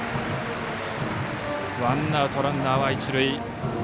ワンアウト、ランナーは一塁。